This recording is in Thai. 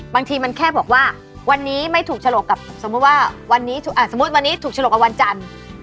บางทีมันแค่บอกว่าวันนี้ไม่ถูกฉลกกับสมมุติว่าวันนี้สมมุติวันนี้ถูกฉลกกับวันจันทร์